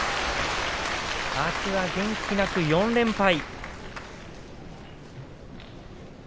天空海、元気なく４連敗。